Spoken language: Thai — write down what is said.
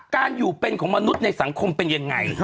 การอยู่เป็นของมนุษย์ในสังคมเป็นยังไง